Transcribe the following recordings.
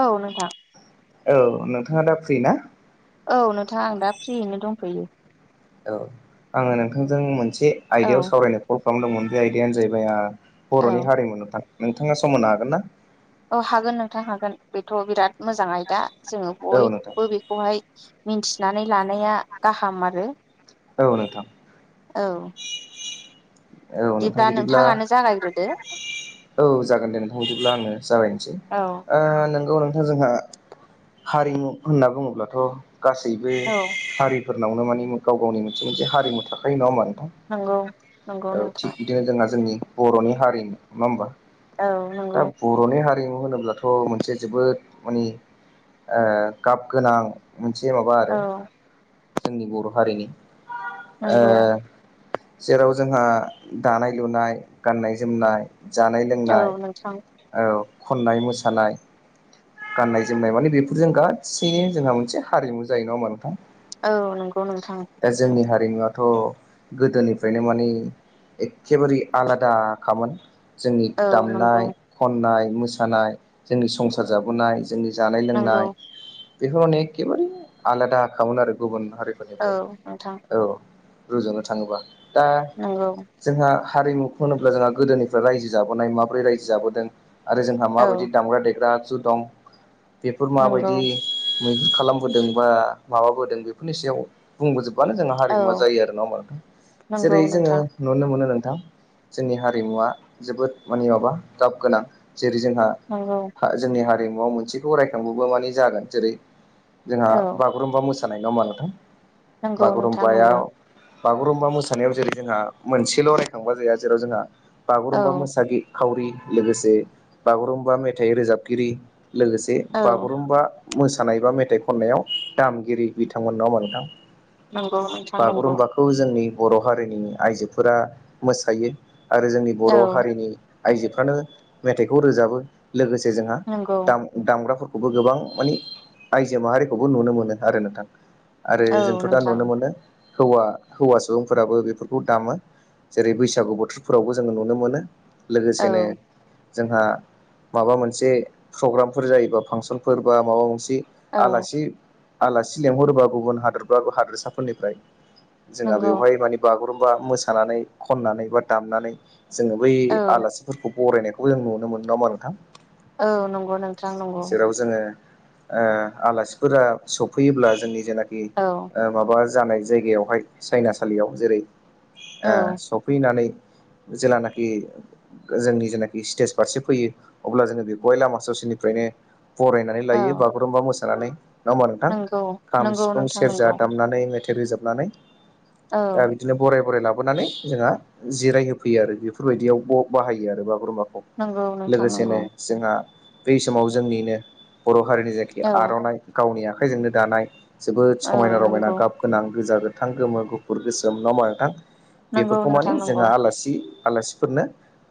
औ नोंथां। औ नोंथाङा दा फ्रि ना? औ नोंथां आं दा फ्रियैनो दंफैयो। औ आङो नोंथांजों मोनसे औ आयदायाव सावरायनो कल खालामदोंमोन बे आयदायानो जाहैबाय आ बर'नि औ हारिमु नोंथां नोंथाङा सम मोननो हागोन ना? औ हागोन नोंथां हागोन बेथ' बिराद मोजां आयदा जोङो औ नोंथां बयबो बेखौहाय मिथिनानै लानाया गाहाम आरो। औ नोंथां। औ औ नोंथां बिदिब्ला नोंथाङानो जागायग्रोदो औ जागोन दे नोंथां बिदिब्ला आङो जाबायनोसै। औ ओ औ नोंथां जोंहा हारिमु होनना बुङोब्लाथ' गासैबो औ हारि फोरनावनो माने गाव गावनि मोनसे मोनसे हारिमु थाखायायो नङा ओमबा नंगौ। नंगौ औ नोंथां थिग बिदिनो जोंहा जोंनि बर'नि हारिनो नङा होमबा? औ दा नंगौ बर'नि हा हारिमु होनोब्लाथ' मोनसे जोबोद माने ओ-गाब गोनां। मोनसे माबा औ आरो जोंनि बर' हारिनि ओ नंगौ जेराव जोंहा दानाय लुनाय, गान्नाय जोमनाय जानाय औ लोंनाय नोंथां औ खननाय, मोसानाय गाननाय जोमनाय माने बेफोरजों गासैनो जोंहा मोनसे हारिमु जायो नङा होमबा नोंथां? औ नंगौ नोंथां। [unintelligible] आथ' गोदोनिफ्रायनो माने एखेबारे आलादाखामोन। जोंनि औ दामनाय, नंगौ खननाय, मोसानाय, जोंनि संसार जाबोनाय जोंनि जानाय नंगौ लोंनाय बेफोरावनो एखेबारे आलादााखामोन आरो गुबुन औ हारिफोरनिफ्राय नोंथां औ रुजुनो थाङोबा दा नंगौ जोंहा हारिमुखौ होनोब्ला जोंहा गोदोनिफ्राय रायजो जाबोनाय माबोरै रायजो जाबोदों, आरो जोंहा औ माबायदि दामग्रा देग्रा आगजु दं? बेफोर नंगौ माबायदि? मैहुर खालामबोदों बा माबाबोदों बेफोरनि सायाव बुंबोजोब बानो जोंहा हारिमुवा औ जायो आरो ना होमबा नोंथां? नंगौ जेरै जोङो नोंथां नुनो मोनो नों थां जोंनि हारिमुवआ जोबोद माने माबा गाब गोनां जेरै जोंहा। नंगौ जोंनि हारिमुवआव मोनसेखौ रायखांबबो मान जागोन जेरै जोंहा औ बागुरुम्बा मोसा नाय नङा मा नोंथां? नंगौ नोंथां बागुरुमबाया नंगौ बागुरुम्बा मोसानायाव जेरै जोंहा मोनसेल' रायखांबा जाया जेराव जोंहा औ बागुरुम्बा मोसागि खावरि लोगोसे बागुरुम्बा मेथाइ रोजाबगिरि लोगोसे औ बागुरुम्बा मोसानाय बा मेथाइ खननायाव दामगिरि बिथांमोन नङा होनबा नोंथां? नंगौ नोंथां नंगौ बागुरुम्बाखौ जोंनि- बर' हारिनि आइजोफोरा मोसायो आरो जोंनि औ बर' हारिनि- आइजोफ्रानो मेथाइखौ रोजाबो लोगोसे जोंहा नंगौ दाम- दामग्राफोर खौबो गोबां मानि आयजो माहारिखौबो नुनो मोनो आरो नोंथां। आरो औ जोंथ' दा नोंथां नुनो मोनो। हौवा हौवा सुबुंफोराबो बेफोरखौ दामो जेरै बैसागु बोथोरफोरावबो जोङो नुनो मोनो औ लोगोसेनो जोंहा माबा मोन से प्रग्रामफोर जायोबा फांसनफोर बा माबा मोनसे औ आलासि आलासि लेंहरोबा गुबुन हादोरबा हादोरसाफोरनिफ्राय जोंहा नंगौ बेवहाय मानि बागुरुम बा मोसानानै खनानै बा दामनानै जोङो बै औ आलासिफोरखौ। बरायनायखौ जों नुनो मोनो नङा होनबा नोंथां? औ नंगौ नोंथां नंगौ। ओ-आलासिफोरा सफैयोब्ला जोंनि जेनाखि औ ओ-माबा जानाय जायगायावहाय सायनासालियाव जेरै औ ओ-सफैनानै। जेेलानाखि जोंनि जेनाखि स्टेज फारसे फैयो अब्ला जोङो बे खौहाय लामा सावसेनिफ्रायनो फरायनानै औ लायो बागुरुम्बा मोसानानै। नङा होमबा नोंथां? नंगौ खाम नंगौ सिफुं नोंथां सेरजा नंगौ दामनानै मेथाइ रोजाबनानै औ दा बिदिनो बराय - बराय लाोनानै जोंहा जिराय होफैयो आरो बेफोरबायदियाव ब-बाहायो आरो बागुरुम्बाखौ। नंगौ नोंथां लोगोसेनो नंगौ जोंहा बै समाव जोंनिनो बर' हारिनि जायखि औ आर'नाइ गावनि आखाइजोंनो दानाय। जोबोद औ समायना रमायना नंगौ गाब गोनां गोजा गोथां गोमो गुफुर गोसोम नङा होमबा नोंथां? नंगौ बेफोरखौ नोंथां माने नंगौ जोंहा आलासि। आलासिफोरनो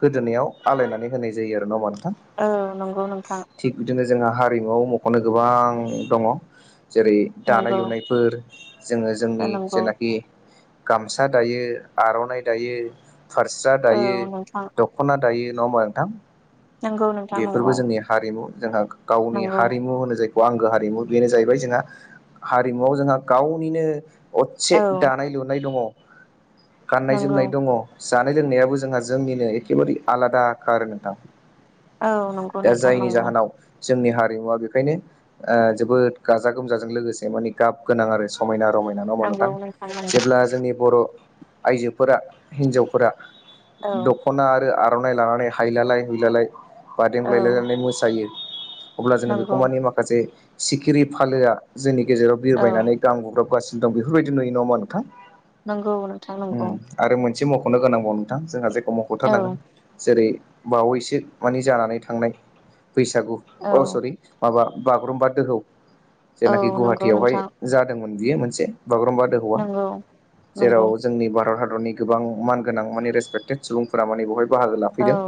गोदोनायाव आलायनानै होनाय जायो आरो नङा होनबा नोंथां? औ नंगौ नोंथां। थिग बिदिनो जोंहा हारिमुआव मख'नो गोबां दङ जेरै दानाय नंगौ लुनायफोर। जोङो जोंनि नंगौ जेनाखि गामसा दायो आर'नाइ दायो। फारस्रा औ दायो नोंथां दख'ना दायो नङा होमबा नोंथां? नंगौ नो बेफोरबो जोंनि हारिमु जोंहा गावनि नंगौ हारिमु होनो जायखौ आं हारिमु बेनो जाहैबाय जोंहा हारिमुवआव जोंहा गावनिनो अदसे औ दानाय लुनाय दङ। गाननाय नंगौ जोमनाय दङ। जानाय लोंनायाबो जोंहा जोंनिनो एखेबारे आलादा आरो नोंथां। औ नंगौ दा नोंथां जायनि नंगौ जाहोनाव जोंनि हारिमुवा बेखायनो ओ जोबोद गाजा गोमजाजों लोगोसे माने गाब गोनां आरो समायना। रमायना नांङाबा नंगौ नोंथां नंगौ जेब्ला जोंनि बर' आइजोफोरा हिनजावफोरा औ दख'ना आरो आर'नाइ लानानै हायलालाय हुलालाय औ बादेंलायलायायनानै मोसायो। अब्ला जोङो बेखौ नंगौ मानिे माखासे सिखिरि फालोआ जोंनि गेजेराव औ बिरबायनानै गान गोब्राबगासिनो दा बेफोरबायदि नुयो नङाहोमा नोंथां। नंगौ नोंथां नंगौ उम आरो मोनसे मख'नो गोनांबाव नोंथां जोंहा जायखौ औ मख'थारनांगोन जेरै बावैसो मानि जानानै थांनाय बैसागु औ अ सरि माबा बागुरुम्बा दोहौ औ जेनाखि नंगौ गुवाहाटियावहाय नोंथां जादोंमोन बियो मोनसे बागुरुम्बा दोहौवा नंगौ जेराव नंगौ जोंनि भारत हादर भारतनि गोबां मानगोनां माने रेसपेक्टेड सुबुंफोरा माने बेवहाय बाहागो औ लाफैदों।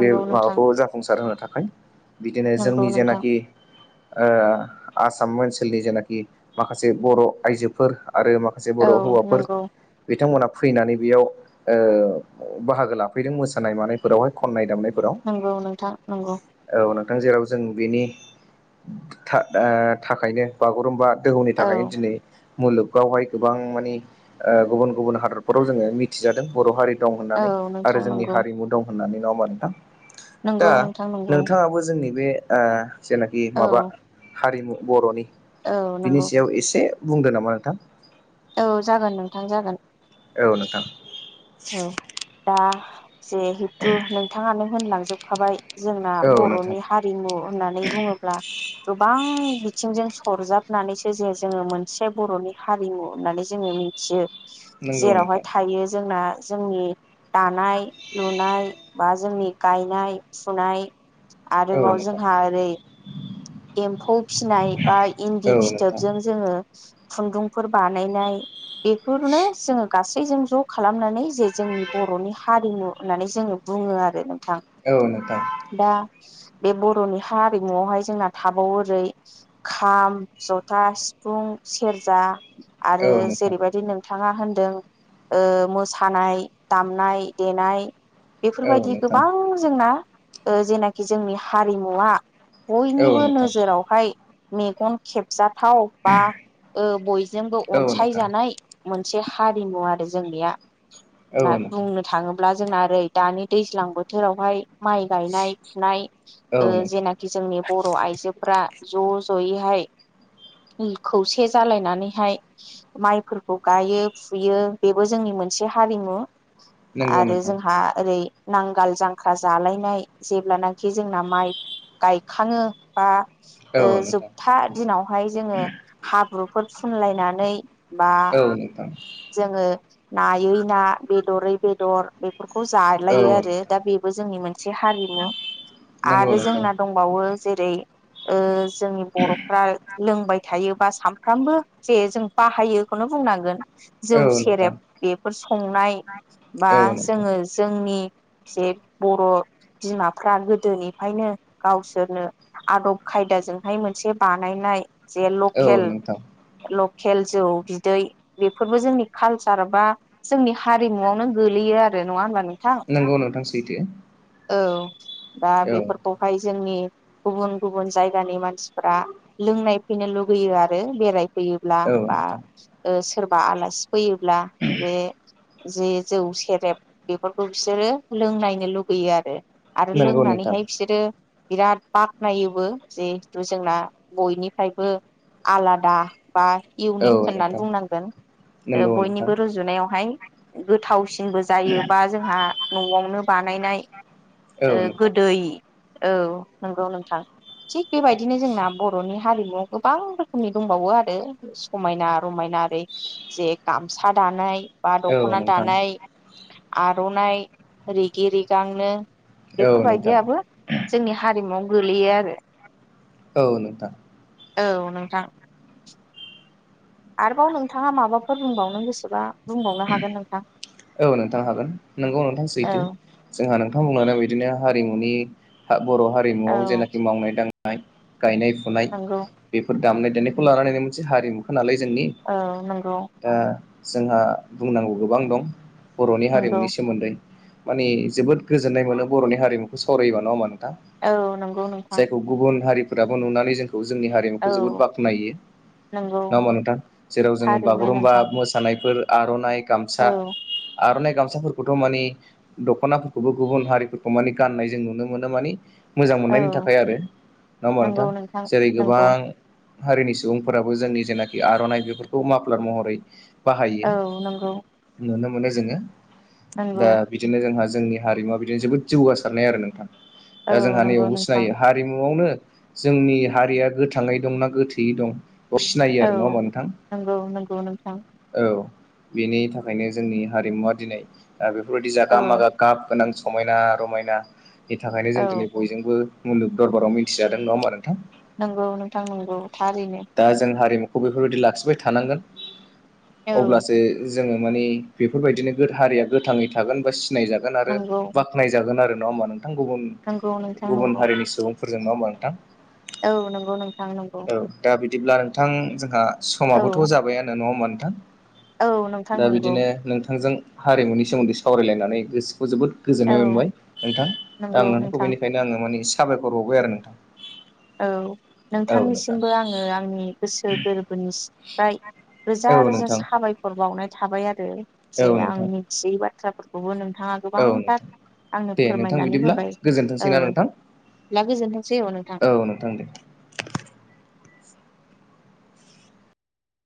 बे नोंथां माबाखौ जाफुंसार होनो थाखाय। बिदिनो नंगौ जोंनि नोंथां जेनाखि ओ आसाम ओनसोलनि जेनाखि माखासे बर' आइजोफोर आरो माखासे बर' औ हौवाफोर नंगौ बिथांमोना फैनानै ओ बेयाव बाहागो लाफैदों मोसानाय मानायफोरावहाय खन्नाय, दामनाय नंगौ नोंथां नंगौ। ओ जेराव जों बेनि था ओ थाखायनो बागुरुम्बा दोहौनि औ थाखाय दिनै मुलुगावहाय गोबां मानि ओ गुबुन गुबुन हादरफोराव जोंङो मिथिजादों बर' हारि दं औ होननानै। आरो नोंथां जोंनि नंगौ हारिमु दं होननानै नङा होमबा नोंथां। नंगौ दा नोंथां नंगौ नोंथाङाबो जोंनि बे ओ जेनाखि औ माबा हारिमु बर'नि औ बिनि नंगौ सायाव एसे बुंदों नामा नोंथां? औ जागोन नोंथां जागोन। औ नोथां। ओ दा जेहेतु नोंथाङानो होनलांजोबखाबाय। जोंना औ नोंथां बर'नि हारिमु होननानै बुङोब्ला गोबां बिथिंजों सरजाबनानैसो जे जोंङो मोनसे बर'नि हारिमु होननानै जों जोंङो मिथियो नंगौ जेरावहाय नोंथां थायो जोंना जोंनि दानाय लुनाय बा जोंनि गायनाय फुनाय औ आरोबाव नोंथां जोंहा ओरै एम्फौ फिसिनाय बा इन्दि औ नोंथां फिथोबजों जोंङो खुन्दुंफोर बानायनाय बेफोरनो जोंङो गासैबो जों ज खालामनानै जे जोंनि बर'नि हारिमु होननानै जोंङो बुङो आरो थां औ नोंथां दा बे बर'नि हा हिमुआवहाय जोंना थाबावो ओरै खाम, जथा, सिफुं, सेरजा। औ आरो नोंथां जेरैबायदि नों बिथाङा होनदों ओ मोसानाय, दामनाय, देनाय औ बेफोरबायदि नोंथां गोबां जोंना ओ जेनाखि जोंनि हारिमुवा औ बयनिबो नोंथां नोजोरावहाय मेगन खेबजा थाव बा ओ बयजोंबो औ नोंथां अनसायजानाय। मोनसे हारिमु आरो जोंनिया औ मा नोंथां बुंनो थाङो अब्ला जोंना ओरै दानि दैज्लां बोथोरावहाय माइ गायनाय फुनाय औ ओ नोंथां जेनाखि जोंनि ब र'फ्रा ज' ज'यैहाय खौसे जालायनानैहाय माइफोरखौ गायो फुयो बेबो जोंनि मोनसे हारिमु नंगौ आरो नोंथां जोंहा ओरै नांगाल जांख्रा जालायनाय जेब्लानाखि जोंना माइ गायखाङो बा ओ औ नोंथां जोबथा दिनावहाय जोङो हाब्रुफोर फुनलायनानै बा औ नोंथां जोङो नायै ना बेदरै बेदर बेफोर खौ औ जालायो आरो दा नोंथां बेबो जोंनि मोनसे हारिमु। नंगौ आरो नोंथां जोंना दंबावो जेरै ओ जोंनि ओ बर'फ्रा लोंबाय थायो। बा सानफ्रामबो जे जों बाहायोखौनो बुंनांगोन। औ जौ नोंथां सेरेब बेफोर संनाय बा औ नोंथां जोङो जोंनि जे बर' बिमाफ्रा गोदोनिफायनो गावसोरनो आदब खायदाजोंहाय मोनसे बानायनाय जे औ लकेल नोंथां लक खेल जौ बिदै बेफोरबो जोंनि कालचार बा जोंनि हारिमुआवनो गोलैयो आरो। नङा होनबा नों नंगौ नोथां सैथो। औ दा औ नोंथां बेफोरखौहाय जोंनि गुबुन गुबुन जायगानि मान सिफोरा लोंनाय फैनो लुबैयो आरो बेरायफैयोब्ला औ बा नोंथां ओ सो सोरबा आलासि फैयोब्ला बे जे जौ सेरेब बेफोरखौ बिसोरो लोंनायनो लुगैयो आरो आरो नंगौ नोंथां लोंनानैहाय बिसोरो बिराद बाखनायोबो जिहेथु जोंना बयनिफ्रायबो आलादा बा इउनिक औ होननानै नोंथां बुंनांगोन नंगौ नोंथां बयनिबो रुजुनायावहाय गोथावसि सिनबो जायोबा जोंहा न'आवनो बानायनाय ओ औ नोंथां गोदै औ नोंगौ नोंथां थिग बेबायदिनो जोंना बर'नि हारिमुआव गोबां रोखोमनि दंबावो आरो समायना रमायना ओरै जे गामसा दा दानाय बा औ दख'ना नोंथां दानाय आर'नाइ रिगि रिगांनो औ नोंथां बेफोरबायदियाबो जोंनि हारिमुवाव गोलैयो आरो औ नोंथां औ नोंथां आरोबाव नोंथाङा माबाफोर बुंबावनो गोसोबा बुंबावनो हागोन नोंथां औ नोंथां हागोन नोंगौ नोंथां औ सैथो जोंहा नोंथां बुंलांनाय बायदिनो हारिमुनि बर' औ हारिमुआव जेनाखि मावनाय दांनाय गायनाय फुनाय नंगौ बेफोर दामनाय देनायखौ लानानैनो मोनसे हारिमुखौ नालाय जोंनि औ नंगौ दा जोंहा बुंनांगौ गोबां दं बर'नि नंगौ हारिमुनि सोमोन्दै माने जोबोद गोजोननाय मोनो बर'नि हारिमुखौ सावरायोबा नङा होमबा नों थां औ नंगौ नोंथां जायखौ गुबुन हारिफोराबो नुनानै जों खौ जोंनि हारिमुखौ जोबोद औ बाख्नायो। नंगौ नङा होमबा नोंथां जेराव जोङो थारैनो बागुरुम्बा नोंथां मोसानायफोर आर'नाइ, गामसा औ आर'नाइ गामसाफोरखौथ' माने दख'नाफोरखौबो गुबुन हारिफोरखौ माने गाननाय जों नुनो मोनो माने मोजां मोननायनि औ थाखाय आरो नङा होमबा नंगौ नोंथां जेरै गोबां नंगौ हारिनि सुबुंफोराबो जोंनि जेनाखि आर'नाइ बेफोरखौ माफ्लार महरै बाहायो औ नोंगौ नुनो मोनो जोङो दा बिदिनो जोंहा जोंनि हारिमुवा बिदिनो जोबोद जौगासारनाय आरो नोंथां। औ दा जोंहा नंगौ नैयावबो नोंथां सिनायो हारिमुआवनो जोंनि हारिया गोथाङै दंना गोथैयै दं अ सिनायो आरो नङा औ होमबा नोंथां? नंगौ नंगौ नोंथां औ बेनि थाखायनो जोंनि हारिमुवा दिनै बेफोरबायदि जागा औ मागा गाब गोनां समायना रमायनानि थाखायनो औ जों दिनै बयजोंबो मुलुग दरबाराव मिथिजादों नङा होमबा नों नोंगौ नोंथां नोंगौ थारैनो खौ बेफोरबायदि लाखिबाय थानांगोन औ अब्लासो जोङो माने बेफोरबायदिनो गोथारिया गोथाङै थागोन बा सिनाय जागोन आरो नंगौ बाख्नाय जागोन आरो नङा होमबा नोंथां नंगौ नोंथां गुबुन-गुबुन नंगौ हारिनि सुबुंफोरजों नङा होमबा नोंथां औ नोंगौ नों औ दा बिदिब्ला नोंथां जोंहा औ समाबोथ' जाबायानो नङा होमबा नोंथां औ नोंथां दा नंगौ बिदिनो नोंथांजों हारिमुनि सोमोन्दै सावरायलायनानै गोसो खौ जोबोद औ गोजोननाय मोनबाय नोंथां दा आं नंगौ नोंथांखौ नोंथां बेनिखायनो आङो माने एसे साबायखर बावबाय आरो नोंथां। औ नोंथांनिसिमबो आङो आंनि गोसो गोरबोनिफ्राय औ रोजा-रोजा नोंथां साबायखर बावनाय थाबाय आरो औ नोंथां औ जे आं नोंथां मिथियै बाथ्राफोरखौबो नों नोंथाङा औ गोबांथार नोंथां आंनो दे नोंथां फोरमायनानै बिदिब्ला होबाय औ गोजोनथोंसैना नोंथां ला गोजोनथोंसै औ नोंथां ओं दे